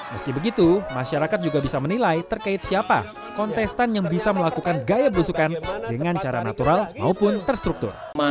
meski begitu masyarakat juga bisa menilai terkait siapa kontestan yang bisa melakukan gaya berusukan dengan cara natural maupun terstruktur